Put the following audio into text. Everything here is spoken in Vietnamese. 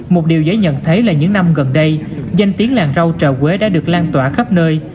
một điều dễ nhận thấy là những năm gần đây danh tiếng làng rau trà quế đã được lan tỏa khắp nơi